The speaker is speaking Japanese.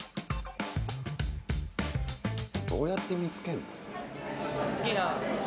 どうやって見つけんの？